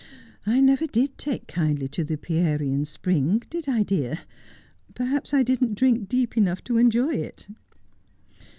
I never did take kindly to the Pierian spring, did I, dear ? Perhaps I didn't drink deep enough to enjoy it.